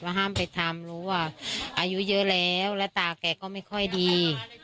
ห้ามไปทำรู้ว่าอายุเยอะแล้วแล้วตาแกก็ไม่ค่อยดี